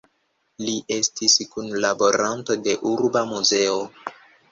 Li estis kunlaboranto de urba muzeo.